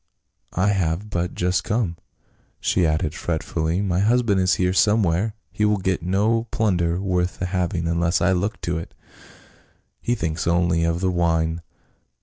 I have but just come," she added fretfiilly ;" my husband is here somewhere ; he will get no plun der worth the having unless I look to it, he thinks only of the wine.